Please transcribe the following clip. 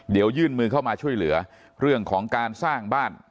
เดี๋ยวยื่นมือเข้ามาช่วยเหลือเรื่องของการสร้างบ้าน